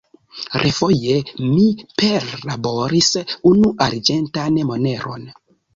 Refoje mi perlaboris unu arĝentan moneron.